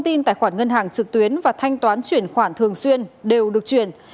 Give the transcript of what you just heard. thông tin tài khoản ngân hàng trực tuyến và thanh toán chuyển khoản thường xuyên đều được chuyển